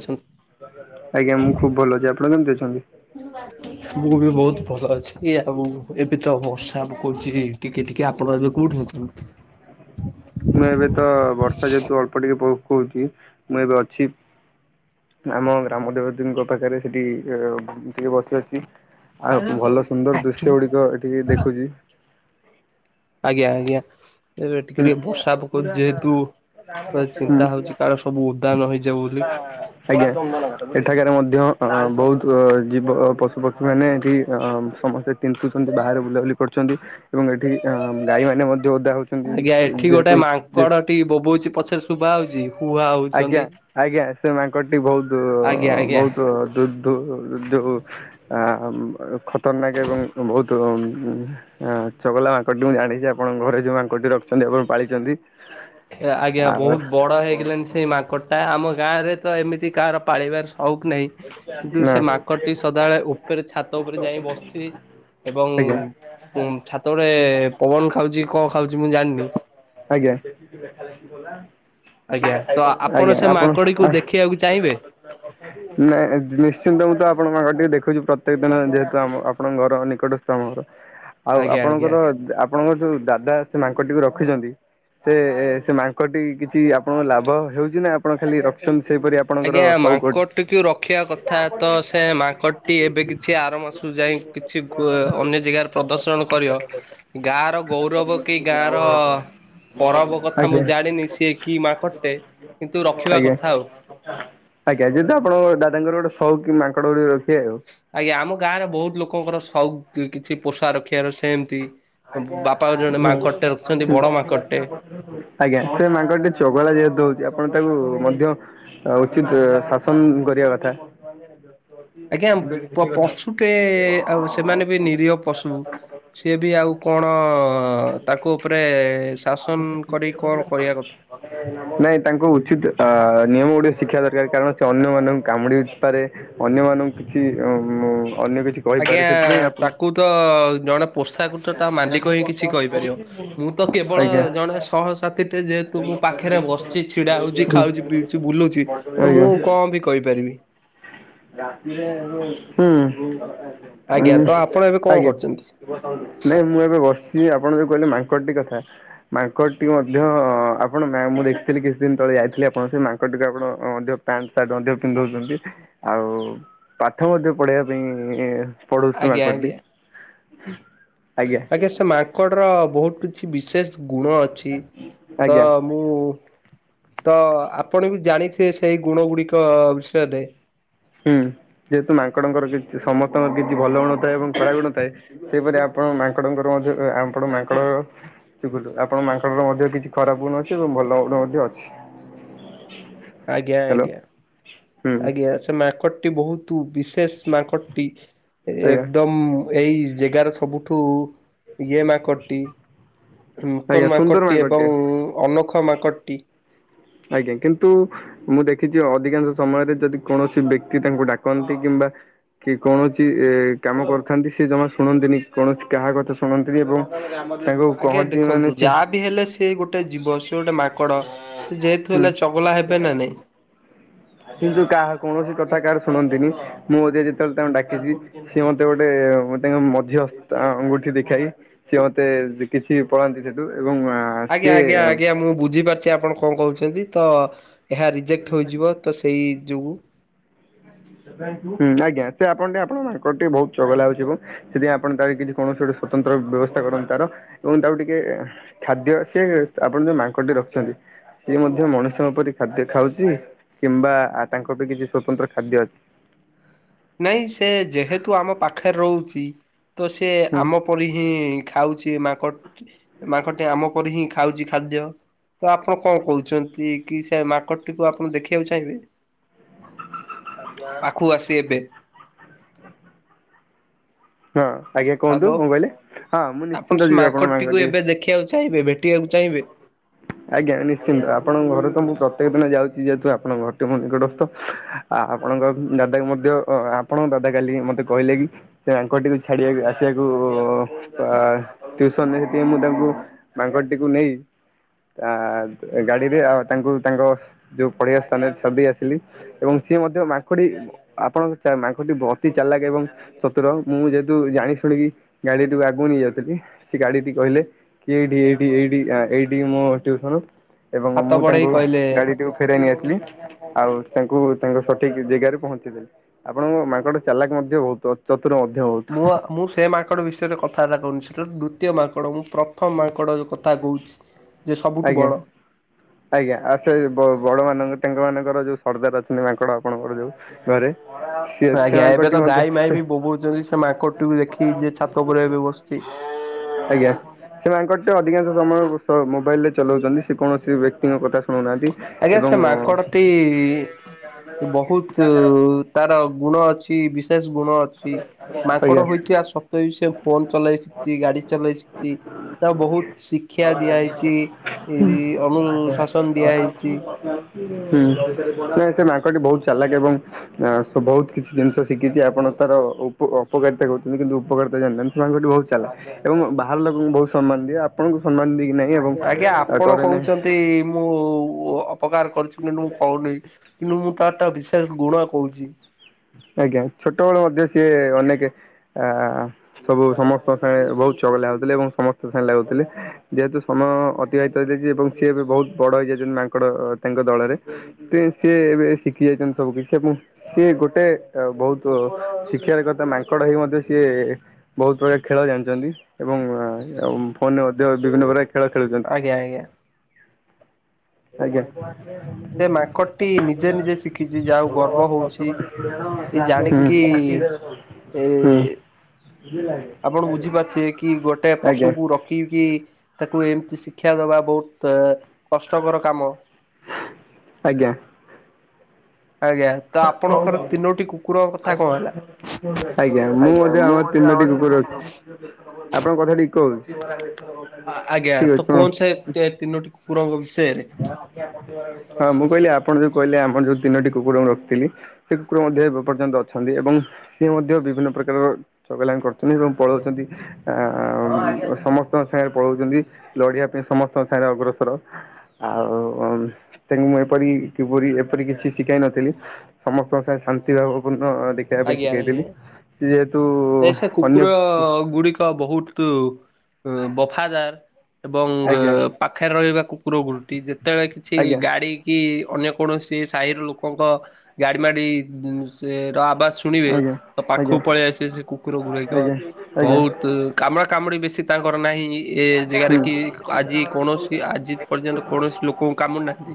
ମୁଁ ଆଜ୍ଞା ମୁଁ ଖୁବ ଭଲ ଅଛି ଆପଣ କେମିତି ଅଛନ୍ତି? ବି ବହୁତ ଭଲ ଅଛି ଏଇ ଆଉ ଏବେ ତ ବର୍ଷା ପକଉଛି ଟିକେ ଟିକେ ଆପଣ ଏବେ କୋଉଠି ଅଛନ୍ତି? ମୁଁ ଏବେ ତ ବର୍ଷା ଯେହେତୁ ଅଳ୍ପ ଟିକେ ପକ କହୁଛି ମୁଁ ଏବେ ଅଛି ଆମ ଗ୍ରାମ ଦେବତୀଙ୍କ ପାଖରେ ସେଠି ଅ ଟିକେ ବସି ଅଛି। ଆଉ ଭଲ ଆଜ୍ଞା ସୁନ୍ଦର ଦୃଶ୍ୟ ଗୁଡିକ ଏଠି ଦେଖୁଛି। ଆଜ୍ଞା ଆଜ୍ଞା ଏ ଟିକେ ହୁଁ। ଟିକେ ବର୍ଷା ପକଉଛି ଯେହେତୁ। ପା ଚିନ୍ତା ହଉଛି କାହାର ସବୁ ଉଦା ନ ହେଇଯାଉ ବୋଲି। ଏଠାକାରରେ ମଧ୍ୟ ବହୁତ ଜୀବ ପଶୁପକ୍ଷୀ ମାନେ ଏଠି ସମସ୍ତେ ତୀନ୍ତୁଛନ୍ତି। ବାହାରେ ବୁଲାବୁଲି କରୁଛନ୍ତି ଏବଂ ଏଠି ଗାଈ ମାନେ ମଧ୍ୟ ଓଦା ହଉଛନ୍ତି ଆଜ୍ଞା ଏଠି ଗୋଟେ ଯେହେତୁ ମାଙ୍କଡଟି ବୋବଉଛି ପଛରେ ଶୁଭା ହଉଛି ହୁ ହା ଆଜ୍ଞା ହଉଛନ୍ତି। ଆଜ୍ଞା ସେ ମାଙ୍କଡଟି ବହୁତ ଆଜ୍ଞା ଆଜ୍ଞା। ବହୁତ ଦୁ ଦୂ ଦୁ ଯଉ ଖତରନାକ ଏବଂ ବହୁତ ଚଗଲା ମାଙ୍କଡ ମୁଁ ଜାଣିଛି ଆପଣ ଘରେ ଯୋଉ ମାଙ୍କଡଟି ରଖିଛନ୍ତି ଏବଂ ପାଳିଛନ୍ତି ଆଜ୍ଞା ଆଉ ବହୁତ ବଡ ହେଇଗଲାଣି ସେଇ ମାଙ୍କଡ଼ଟା ଆମ ଗାଁ ରେ ତ ଏମିତି କାହାର ପାଳିବାର ହଉ କି ନାହିଁ କିନ୍ତୁ ନା ସେ ମାଙ୍କଡଟି ସଦାବେଳେ ଉପରେ ଛାତ ଉପରେ ଯାଇ ବସିଛି। ଏବଂ ଆଜ୍ଞା ଛାତରେ ପବନ ଖାଉଛି କଣ ଖାଉଛି ମୁଁ ଜାଣିନି? ଆଜ୍ଞା। ଆଜ୍ଞା ତ ଆଜ୍ଞା ସେ ଆପଣ ମାଙ୍କଡିକୁ ଦେଖିବାକୁ ଚାହିଁବେ ନିଶ୍ଚିନ୍ତ ମୁଁ ତ ଆପଣଙ୍କର ଟିକେ ଦେଖୁଛି ପ୍ରତ୍ୟେକ ଦିନ ଯେହେତୁ ଆମ ଆପଣଙ୍କ ଘର ନିକଟସ୍ଥ ଆମ ଘର। ଆଉ ଆଜ୍ଞା ଆଜ୍ଞା। ଆପଣଙ୍କର ଆପଣଙ୍କର ଯୋଉ ଦାଦା ସେ ମାଙ୍କଟିକୁ ରଖିଛନ୍ତି ସେ ସେ ମାଙ୍କଡଟି କିଛି ଆପଣଙ୍କ ଲାଭ ହେଉଛି ନା ଆପଣ ଖାଲି ରଖିଛନ୍ତି? ସେହିପରି ଆପଣଙ୍କର ଆଜ୍ଞା ସଉକ ମାଙ୍କଡଟିକୁ ରଖିବା କଥା ତ ସେ ମାଙ୍କଡ଼ଟି ଏବେ କିଛି ଆର ମାସକୁ ଯାଇ କିଛି ଜାଗାରେ ପ୍ରଦର୍ଶନ କରିବ ଗାଁ ର ଗୌରବ କି ଗାଁ ର ପରବ କଥା ଆଜ୍ଞା। ମୁଁ ଜାଣିନି ସିଏ କି ମାଙ୍କଡ ଟେ କିନ୍ତୁ ରଖିବା ଆଜ୍ଞା। କଥା ଆଉ। ଆଜ୍ଞା ଯେହେତୁ ଆପଣ ଦାଦାଙ୍କର ଗୋଟେ ସଉକି ମାଙ୍କଡ ରଖିବେ ଆଉ। ଆଜ୍ଞା ଆମ ଗାଁ ରେ ବହୁତ ଲୋକଙ୍କର ସଉକ କିଛି ପୋଷା ରଖିବାର ସେମତି। ଆଜ୍ଞା ବଡ ମାଙ୍କଡଟେ ସେ ମାଙ୍କଡ ଟି ଚଗଲା ଦଉଛି ଆପଣ ତାକୁ ମଧ୍ୟ ଉଚିତ ଶାସନ କରିବା କଥା। ଆଜ୍ଞା ପଶୁଟେ ଆଉ ସେମାନେ ବି ନିରୀହ ପଶୁ ସିଏ ବି ଆଉ କଣ ତାକୁ ଉପରେ ଶାସନ କରିି କଣ କରିବା କଥା? ନାଇଁ ତାଙ୍କୁ ଉଚିତ ନିୟମ ଗୁଡିକ ଶିଖିବା ଦରକାର କାରଣ ସେ ଅନ୍ୟମାନଙ୍କୁ କାମୁଡି ପାରେ ଅନ୍ୟମାନଙ୍କୁ କିଛି ହୁଁ। ଆଜ୍ଞା ତାକୁ ତ ଜଣେ ପୋଷାକୁ ତ ତା ମାଲିକ ହିଁ କିଛି କହିପାରିବ ମୁଁ ତ କେବଳ ଆଜ୍ଞା ଜଣେ ସହସାଥିୀଟେ ଯେହେତୁ ମୁଁ ପାଖରେ ବ ବସୁଛି ଛିଡା ହଉଛି ଖାଉଛି ପିଉଛି ବୁଲୁଛି ହୁଁ ତ ମୁଁ ଆଜ୍ଞା କଣ ବି କହିପାରିବି? ହୁଁ। ଆଜ୍ଞା ତ ଉଁ ଆପଣ ଏବେ କଣ କରୁଛନ୍ତି? ଆଜ୍ଞା। ବସିଚି ଆପଣ ଯୋଉଁ କହିଲେ ମାଙ୍କଡ଼ଟି କଥା ମାଙ୍କଡ଼ ଟି ମଧ୍ୟ ଆପଣ ମୁଁ ଦେଖିଥିଲି କିଛି ଦିନ ତଳେ ଯାଇଥିଲେ ଆପଣ ସେ ମାଙ୍କଡ଼ ଟିକୁ ଆପଣ ମଧ୍ୟ ପ୍ୟାଣ୍ଟ ସାର୍ଟ ମଧ୍ୟ ପିନ୍ଧଉଛନ୍ତି ଆଉ ପାଠ ମଧ୍ୟ ପଢେଇବା ପାଇଁ ପଢୁଛି ଆଜ୍ଞା ମାଙ୍କଡ ଟି। ଆଜ୍ଞା। ଆଜ୍ଞା ସେ ମାଙ୍କଡ ର ବହୁତ କିଛି ବିଶେଷ ଗୁଣ ଅଛି ତ ଆଜ୍ଞା। ମୁଁ ତ ଆପଣ ବି ଜାଣିଥିବେ ସେଇ ଗୁଣ ଗୁଡିକ ବିଷୟରେ। ହୁଁ ଯେହେତୁ ମାଙ୍କଡଙ୍କର କି ସମସ୍ତଙ୍କ କିଛି ଭଲ ଗୁଣ ଥାଏ ଏବଂ ଖରାପ ଗୁଣ ଥାଏ ସେହିପରି ଆପ ଆପଣ ମାଙ୍କଡଙ୍କର ମଧ୍ୟ ଆପଣ ମାଙ୍କଡ ଆପଣଙ୍କ ମାଙ୍କଡର ମଧ୍ୟ କିଛି ଖରାପ ଗୁଣ ଅଛି ଏବଂ ଭଲ ଗୁଣ ମଧ୍ୟ ଅଛି। ଆଜ୍ଞା ହ୍ୟାଲୋ ଆଜ୍ଞା ହୁଁ ଆଜ୍ଞା ସେ ମାଙ୍କଡଟି ବହୁତ ବିଶେଷ ମାଙ୍କଡଟି ଆଜ୍ଞା ଏକଦମ ଏଇ ଜେଗାର ସବୁଠୁ ଇଏ ମାଙ୍କଡଟି। ଆଜ୍ଞା ନୂତନ ସୁନ୍ଦର ମାଙ୍କଡ଼ଟି ମାଙ୍କଡଟିଏ ଏବଂ ଅନୋଖ ମାଙ୍କଡ଼ଟି। ଆଜ୍ଞା କିନ୍ତୁ ମୁଁ ଦେଖିଛି ଅଧିକାଂଶ ସମୟରେ ଯଦି କୌଣସି ବ୍ୟକ୍ତି ତାଙ୍କୁ ଡାକନ୍ତି କିମ ବା। କି କୌଣସି କାମ କରିଥାନ୍ତି ସେ ଜମା ଶୁଣନ୍ତିନି କୌଣସି କାହା କଥା ଶୁଣନ୍ତିନି ଏବଂ ତାଙ୍କୁ ଆଜ୍ଞା କହନ୍ତି ମାନେ ଦେଖନ୍ତୁ ସେ ଯାହା ବିି ହେଲେ ସେ ଗୋଟେ ଜୀବ ସେ ଗୋଟେ ମାଙ୍କଡ। ସେ ଯେହେତୁ ହୁଁ ହେଲେ ଚଗଲା ହେବେ ନା ନାଇଁ। କିନ୍ତୁ କାହା କୌଣସି କଥା କାହାର ଶୁଣନ୍ତିନି। ମୁଁ ଯଦି ଯେତେବେଳେ ତାଙ୍କୁ ଡାକିଛି ସିଏ ମତେ ଗୋଟେ ତାଙ୍କ ମଝି ଅଙ୍ଗୁଠି ଦେଖାଇ ସିଏ ମତେ କିଛି ପଳାନ୍ତି ସେଠୁ। ଏବଂ ଆଜ୍ଞା ସିଏ ଆଜ୍ଞା ଆଜ୍ଞା ମୁଁ ବୁଝିପାରୁଛି ଆପଣ କଣ କହୁଛନ୍ତି ତ ଏହା ରିଜେକ୍ଟ ହୋଇଯିବ ତ ସେଇ ଯୋଗୁଁ ହୁଁ ଆଜ୍ଞା ସେ ଆପଣ ଟେ ଆପଣଙ୍କ ମାଙ୍କଡ ଟିକେ ବହୁତ ଚଗଲା ହଉଛି ସେଠି ଆପଣ ତାର କିଛି କୌଣସି ଗୋଟେ ସ୍ଵତନ୍ତ୍ର ବ୍ୟବସ୍ଥା କରନ୍ତୁ ତାର ଏବଂ ତାକୁ ଟିକେ ଖାଦ୍ୟ ସିଏ ଆପଣ ଯୋଉଁ ମାଙ୍କଡ଼ ଟି ରଖିଛନ୍ତି ସିଏ ମଧ୍ୟ ମଣିଷଙ୍କ ପରି ଖାଦ୍ୟ ଖାଉଛି କିମ୍ବା ତାଙ୍କ ପାଇଁ କିଛି ସ୍ଵତନ୍ତ୍ର ଖାଦ୍ୟ ଅଛି? ନାଇଁ ସେ ଯେହେତୁ ଆମ ପାଖରେ ରହୁଛି ତ ସେ ହଁ ଆମ ପରି ହିଁ ଖାଉଛି ମାଙ୍କ ମାଙ୍କଡଟି ଆମ ପରି ହିଁ ଖାଉଛି ଖାଦ୍ୟ। ତ ଆପଣ କଣ କହୁଛନ୍ତି କି ସେ ମାଙ୍କଡ ଟିକୁ ଆପଣ ଦେଖିବାକୁ ଚାହିଁବେ? ପାଖକୁ ଆସି ଏବେ ହଁ ଆଜ୍ଞା କୁହନ୍ତୁ ହ୍ୟାଲୋ କ'ଣ କହିଲେ ହଁ ମୁଁ ନିଶ୍ଚିନ୍ତ ଆପଣ ସେ ଯିବି ଆପଣଙ୍କ ମାଙ୍କଡ଼ଟିକୁ ମାଙ୍କଡ଼ ଏବେ ଦେଖିବାକୁ ଚାହିଁବେ ଏବେ? ଆଜ୍ଞା ନିଶ୍ଚିନ୍ତ ଆପଣଙ୍କ ଘରେ ତ ମୁଁ ପ୍ର ପ୍ରତ୍ୟେକ ଦିନ ଯାଉଛି ଯେହେତୁ ଆପଣଙ୍କ ଘରଟି ମୁ ନିକଟସ୍ଥ ଆ ଆପଣଙ୍କ ଦାଦା ମଧ୍ୟ ଅ ଆପଣଙ୍କ କାଲି ମତେ କହିଲେ କି ସେ ମାଙ୍କଡଟିକୁ ଛାଡିବାକୁ ଆସିବାକୁ ଆ ଟିଉସନ ରେ ସେଥିପାଇଁ ମୁଁ ତାଙ୍କୁ ମାଙ୍କଡଟିକୁ ନେଇ ଆ ଆ ଗାଡିରେ ଆଉ ତାଙ୍କୁ ତାଙ୍କ ଯୋଉଁ ପଢିବା ସ୍ଥାନରେ ଛାଡି ଦେଇ ଆସିଲି ଏବଂ ସିଏ ମଧ୍ୟ ମାଙ୍କଡି ଆପଣଙ୍କ ମାଙ୍କଡଟି ଅତି ଚାଲାକ ଏବଂ ଚତୁର ମୁଁ ଯେହେତୁ ଜାଣି ଶୁଣିକି ଗାଡିଟିକୁ ଆଗକୁ ନେଇ ଯାଉଥିଲି ସେ ଗାଡିଟି କହିଲେ କିଏ ଏଠି ଏଇଠି ଏଇଠି ମୋ ଟିଉସନ ଏବଂ ହାତ ମୁଁ ବଢେଇ ତାଙ୍କୁ କହିଲେ ଗାଡିଟିକୁ ଫେରାଇ ନେଇ ଆସି [unintelligible] ଆଉ ତାଙ୍କୁ ତାଙ୍କ ସଠିକ ଜେଗାରେ ପହଞ୍ଚେଇଦେଲି ଆପଣଙ୍କ ମାଙ୍କଡ ଚାଲାକ ମଧ୍ୟ ବହୁତ ଚତୁ ମୁଁ ମୁଁ ସେ ମାଙ୍କଡ ବିଷୟରେ କଥାବାର୍ତା କରୁନି। ଦ୍ଵିତୀୟ ମାଙ୍କଡ଼ ମୁଁ ପ୍ରଥମ ମାଙ୍କଡ଼ କଥା କହୁଛି। ଯେ ସବୁଠୁ ଆଜ୍ଞା ବଡ। ଆଜ୍ଞା ଆଉ ସେ ବଡ଼ ମାନଙ୍କ ତାଙ୍କ ମାନଙ୍କର ଯୋଉଁ ସର୍ଦ୍ଦାର ଅଛନ୍ତି ମାଙ୍କଡ଼ ଆପଣଙ୍କର ଯୋଉଁ ଘରେ। ସେ ସେ ଆଜ୍ଞା ଏବେ ମାଙ୍କଡଟି ତ ମଧ୍ୟ ଗାଈ ମାଇ ସେ ବି ବୋବଉଛନ୍ତି ସେ ମାଙ୍କଡ଼ଟିକୁ ଦେଖି ଯେ ଛାତ ଉପରେ ଏବେ ବସିଚି। ଆଜ୍ଞା। ସେ ମାଙ୍କଡଟି ଅଧିକାଂଶ ସମୟ ମୋବାଇଲ ରେ ଚଲାଉଚନ୍ତି ସେ କୌଣସି ବ୍ୟକ୍ତିଙ୍କ କଥା ଶୁଣୁନାହାନ୍ତି। ଆଜ୍ଞା ଏବଂ ସେ ମାଙ୍କଡଟି ବହୁତ ତାର ଗୁଣ ଅଛି ବିଶେଷ ଗୁଣ ଅଛି। ମାଙ୍କଡ ଆଜ୍ଞା। ହୋଇଥିବା ସତ୍ୱେ ବି ସେ ଫୋନ ଚଲେଇ ଶିଖଚି ଗାଡି ଚଲେଇ ଶିଖଚି। ତା ବହୁତ ଶିକ୍ଷା ଦିଆହେଇଛି ଅନୁଶାସନ ହୁଁ ଦିଆହେଇଚି। [unintelligible] [unintelligible] ବହୁତ ଚାଲାକ ଏବଂ ବହୁତ କିଛି ଜିନିଷ ଶିଖିଛି ଆପଣ ତାର ଉପପକାରିତା କହୁଛନ୍ତି କିନ୍ତୁ ଉପକାରିତା ଜାହାନ୍ତି ସେ ମାଙ୍ଗଟି ବହୁତ ଚାଲା ଏବଂ ବାହାର ଲୋକଙ୍କୁ ବହୁତ ସମ୍ମାନ ଆପଣଙ୍କୁ ସମ୍ମାନ ଦେଇକି ଆଜ୍ଞା ଆପଣ କହୁଛନ୍ତି ମୁଁ ଉପକାର କରିଛୁ କିନ୍ତୁ ମୁଁ କହୁନି କିନ୍ତୁ ମୁଁ ତ ଟା ବିଶେଷ ଗୁଣ କହୁଛି। ଆଜ୍ଞା ଛୋଟବେଳ ମଧ୍ୟ ସିଏ ଅନେକ ଆ ସବୁ ସମସ୍ତଙ୍କ ସାଙ୍ଗ ବହୁତ ବ ଚଗଲାଗଥିଲେ ଏବଂ ସମସ୍ତେ ସାଙ୍ଗେ ଲାଗୁଥିଲେ ଯେହେତୁ ସମୟ ଅତିବାହିତ ହେଇଯାଇଛି ଏବଂ ସିଏ ବି ବହୁତ ବଡ ହେଇ ମାଙ୍କଡ ତାଙ୍କ ଦଳରେ ସିଏ ଏବେ ଶିଖି ଯାଇଛନ୍ତି ସବୁ କିଛି ଏବଂ ସିଏ ଗୋଟେ ଗୋଟେ ବହୁତ ଶିକ୍ଷାର କଥା ମାଙ୍କଡ଼ ହେଇ ମଧ୍ୟ ସିଏ ବହୁତ ପ୍ରକାର ଖେଳ ଜାଣିଛନ୍ତି ଏବଂ ଫୋନ ମଧ୍ୟ ବିଭିନ୍ନ ପ୍ରକାର ଖେଳ ଖେଳୁଛନ୍ତି। ଆଜ୍ଞା ଆଜ୍ଞା। ସେ ମାଙ୍କଡଟି ଆଜ୍ଞା। ନିଜେ ନିଜେ ଶିଖିଛି ଯାହାକୁ ଗର୍ବ ହଉଛି [unintelligible] ଜାଣିକି ଏ [inaudible] ଆପଣ ବୁଝିପାରୁଥିବେ କି ଗୋଟେ ଆଜ୍ଞା ପଶୁକୁ ରଖିକି ତାକୁ ଏମିତି ଶିକ୍ଷା ଦବା ବହୁତ କଷ୍ଟକର କାମ ଆଜ୍ଞା। ଆଜ୍ଞା ତ ଆପଣଙ୍କର ତିନୋଟି କୁକୁର କଥା କଣ ହେଲା? ଆଜ୍ଞା ମୁଁ ମଧ୍ୟ ଆମର ତିନି କୁର ଅଛି ଆପଣଙ୍କ କଥା ଟିକେ କହୁଛି। ଆଜ୍ଞା ତ କହ ସେ ତିନୋଟି ବିଷୟରେ [inaudible] ହଁ ମୁଁ କହିଲି ଆପଣ ଯୋଉ କହିଲେ ଆମର ଯୋଉ ତିନୋଟି କୁକୁର ମୁଁ ରଖିଥିଲି ସେ କୁକୁର ମଧ୍ୟ ଏବେ ପର୍ଯ୍ୟନ୍ତ ଅଛନ୍ତି। ଏବଂ ସିଏ ମଧ୍ୟ ବିଭିନ୍ନ ପ୍ରକାର ଛଗଲା କରୁଛନ୍ତି ଏବଂ ପଳଉଛନ୍ତି ଆ ସମସ୍ତଙ୍କ ସାଙ୍ଗରେ ପଳଉଛନ୍ତି ଲଢିବା ପାଇଁ ସମସ୍ତଙ୍କ ସାଙ୍ଗରେ ଅଗ୍ରସର ଆଉ ତାଙ୍କୁ ମୁଁ ଏପରି କିପରି ଏପରି କିଛି ଶିଖାଇ ନଥିଲି ସମସ୍ତଙ୍କ ସା ଶାନ୍ତି ଭାବ ହ ଦେଖେଇବା ପାଇଁ ଆଜ୍ଞା ଆଜ୍ଞା। ଶିଖେଇଥିଲି ସେ ଯେହେତୁ ଏ ସେ ଅନ୍ୟ କୁକୁର ଗୁଡିକ ବହୁତ ବଫାଦାର ଏବଂ ଆଜ୍ଞା ପାଖରେ ରହିବା କୁକୁର ଗୁରୁଟି ଯେତେବେଳେ କିଛି ଆଜ୍ଞା ଗାଡି କି ଅନ୍ୟ କୌଣସି ସାହିର ଲୋକଙ୍କ ଗାଡ଼ି ମାଡ଼ି ର ଆବାସ ଶୁଣିବେ ଆଜ୍ଞା ତ ପାଖକୁ ଆଜ୍ଞା ପଳେଇ ଆସିବେ ସେ କୁକୁର ଗୁରକ ଆଜ୍ଞା ଆଜ୍ଞା ବହୁତ କାମୁଡା କାମୁଡି ବେଶୀ ତାଙ୍କର ନାହିଁ ଏ ହୁଁ ଆଜ୍ଞା ଜାଗାରେ କି ଆଜି କୌଣସି ଆଜି ପର୍ଯ୍ୟନ୍ତ କୌଣସି ଲୋକଙ୍କୁ କାମୁନାହାନ୍ତି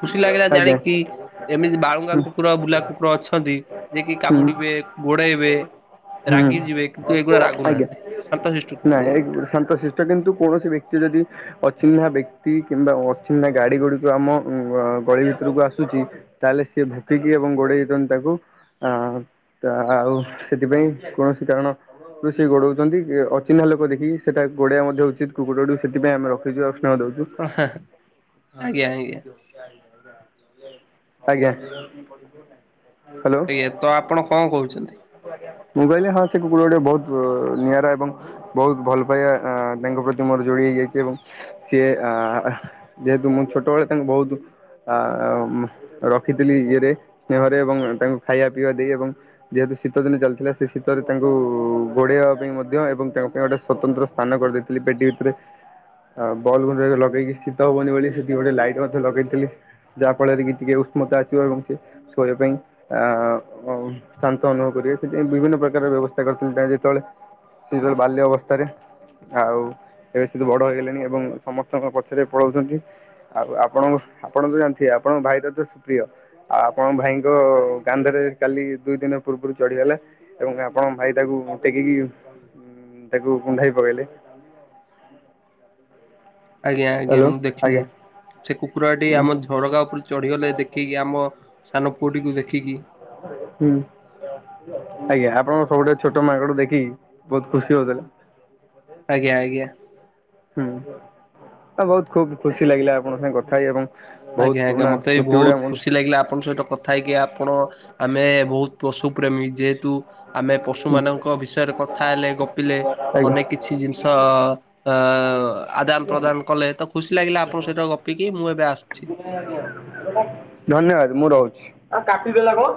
ଖୁସି ଲାଗିଲା ଜାଣିକି ହୁଁ ଏମିତି ବାଳୁଙ୍ଗା କୁକୁର ବୁଲା କୁକୁର ଅଛନ୍ତି ଯଏ କି ହୁଁ କାମୁଡିବେ ଗୋଡେଇବେ ହୁଁ ରାଗି ଯିବେ କିନ୍ତୁ ଏଇଗୁଡା ଆଜ୍ଞା ରାଗୁନାହାନ୍ତି ଶାନ୍ତଶ୍ରିଷ୍ଟ କୁକୁର ଗୁଡ [unintelligible] ନାଇଁ ଶାନ୍ତ ଶିଷ୍ଟ କିନ୍ତୁ କୌଣସି ବ୍ୟକ୍ତି ଯଦି ଅଚିହ୍ନା ବ୍ୟକ୍ତି କିମ୍ବା ଅଚିହ୍ନା ଗାଡ଼ି ଗୁଡ଼ିକ ଆମ ଗଳି ଭିତ୍ରକୁ ଆସୁଛି ତାହେଲେ ସିଏ ଭଟିକି ଏବଂ ଗୋଡେଇ ହେତଛନ୍ତି ତାକୁ ଅ ତ ଆଉ ସେଥିପାଇଁ କୌଣସି କାରଣ ର ସେ ଗୋଡଉଛନ୍ତି ଅଚିହ୍ନା ଲୋକ ଦେଖିକି ସେଟା ଗୋଡେଇଆ ମଧ୍ୟ ଉଚିତ କୁକୁରୁ ସେଥିପଁ ଆମେ ରଖିଛୁ ଆଉ। ଚା ଦଉଛୁ ଆଜ୍ଞା ଆଜ୍ଞା ଆଜ୍ଞା। ହ୍ୟାଲୋ ଆଜ୍ଞା ତ ଆପଣ କଣ କହୁଛନ୍ତି? ମୁଗାଇଲେ ହଁ ସେ କୁକୁରଟି ବହୁତ ନିଆରା ଏବଂ ବହୁତ ଭଲ ପାଇବା ଅ ତାଙ୍କ ପ୍ରତି ମୋର ଯୋଡି ହେଇଯାଇଛି, ଏବଂ ସିଏ ଯେହେତୁ ମୁଁ ଛୋଟବେଳେ ତାଙ୍କୁ ବହୁତ ଅ ରଖିଥିଲି ଇଏରେ ସ୍ନେହରେ ଏବଂ ତାଙ୍କୁ ଖାଇବା ପିଇବା ଦେଇ ଏବଂ ଯେହେତୁ ଶୀତଦିନେ ଚାଲିଥିଲା ସେ ଶୀତରେ ତାଙ୍କୁ ଘୋଡ଼େଇବା ପାଇଁ ମଧ୍ୟ ଏବଂ ତାଙ୍କ ପାଇଁ ଗୋଟେ ସ୍ୱତନ୍ତ୍ର ସନ କରଦେଇଥିଲି ପେଟି ଉଟରେ ଆଉ ବଲ୍ ଗୁଣ୍ଡ ଲଗେଇକି ଶୀତ ହବନି ବୋଲି ସେଠି ଗୋଟେ ଲାଇଟ ମଧ୍ୟ ଲଗେଇଥିଲି ଯାହା ଫଳରେ କି ଟିକେ ଉଷ୍ମତା ଆସିବ ଏବଂ ସେ ଶୋଇବା ପାଇଁ ଆ, ଅ, ଶାନ୍ତ ଅନୁଭବ କର ରେ ସେଥିାଇଁ ବିଭିନ୍ନ ପ୍ରକାର ବ୍ୟବସ୍ଥା କରିଛନ୍ତି। ତାହିଁ ଯେତେବେଳେ ସିଏ [unintelligible] ବାଲ୍ୟ ଅବସ୍ଥାରେ ଆଉ ଏବେ ସିଏ ତ ବଡ ହେଇଗଲେଣି ଏବଂ ସମସ୍ତଙ୍କ ପଛରେ ପଳଉଛନ୍ତି। ଆଉ ଆପଣଙ୍କ ଆପଣ ତ ଜାଣିଥିବେ ଆପଣଙ୍କ ଭାଇର ତ ସେ ପ୍ରିୟ। ଆଉ ଆପଣଙ୍କ ଭାଇଙ୍କ କାନ୍ଧରେ ସେ କାଲି ଦୁଇ ଦିନ ପୂର୍ବରୁ ଚଢିଗଲା ଏବଂ ଆପଣଙ୍କ ଭାଇ ତାକୁ ଟେକିକି ହୁଁ, ତାକୁ କୁଣ୍ଢାଇ ପକେଇଲେ। ଆଜ୍ଞା, ଆଜ୍ଞା ମୁଁ ଦେଖିଚି। ସେ କୁକୁରଟି ଆମ ଝରକା ଉପରେ ଚଢିଗଲେ ଦେଖିକି ଆମ ସାନ ପୁଅଟିକୁ ଦେଖିକି। ହୁଁ। ଆଜ୍ଞା ଆପଣଙ୍କ ସବୁଠୁ ଛୋଟ ମାଙ୍କଡ ଦେଖିକି ବହୁତ ଖୁସି ହଉଥିଲା। ଆଜ୍ଞା, ଆଜ୍ଞା। ହୁଁ, ଅ, ବହୁତ ଖୁବ୍ ଖୁସି ଲାଗିଲା ଆପଣଙ୍କ ସାଙ୍ଗେ କଥା ହେଇ ଏବଂ ବହୁତ ଆଜ୍ଞା, ଆଜ୍ଞା ପୁରୁଣା ମୋତେ ବି ସ୍ମୃତି ଗୁଡା ବହୁତ ଆଜ୍ଞା ଖୁସି ଲାଗିଲା ଆପଣଙ୍କ ସହିତ କଥା ହେଇକି। ଆପଣ ଆମେ ବହୁତ ପଶୁ ପ୍ରେମୀ ଯେହେତୁ ଆମେ ପଶୁମାନଙ୍କ ବିଷୟରେ କଥା ହେଲେ ଗପିଲେ ଅନେକ କିଛି ଜିନିଷ ଅ, ଅ, ଆଦାନ ପ୍ରଦାନ କଲେ ତ ଖୁସି ଲାଗିଲା ଆପଣଙ୍କ ସହିତ ଗପିକି। ମୁଁ ଏବେ ଆସ ଧନ୍ୟବାଦ ମୁଁ ରଉ ଆ, କାଟିଦେଲା କଣ?